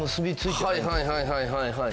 はいはいはいはい。